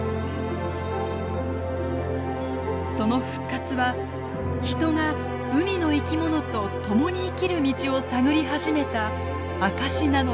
その復活は人が海の生き物と共に生きる道を探り始めた証しなのです。